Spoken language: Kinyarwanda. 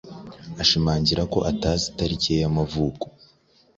ashimangira ko atazi itariki ye y’amavuko.